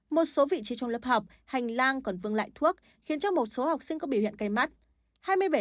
một số vị trí trong lớp học hành lang còn vương lại thuốc khiến cho một số học sinh có biểu hiện cây mắt